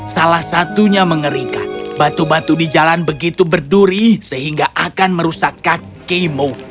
salah satunya mengerikan batu batu di jalan begitu berduri sehingga akan merusak kakimu